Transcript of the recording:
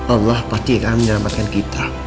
allah pasti akan menyelamatkan kita